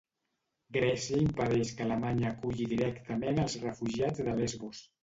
Grècia impedeix que Alemanya aculli directament els refugiats de Lesbos.